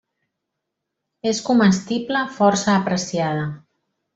És comestible força apreciada.